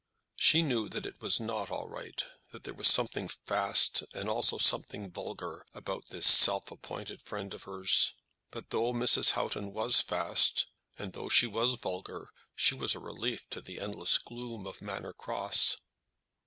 She knew that it was not all right, that there was something fast, and also something vulgar, about this self appointed friend of hers. But though Mrs. Houghton was fast, and though she was vulgar, she was a relief to the endless gloom of Manor Cross.